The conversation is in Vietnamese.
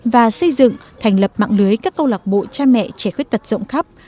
và xây dựng thành lập mạng lưới các câu lạc bộ cha mẹ trẻ khuyết tật rộng khắp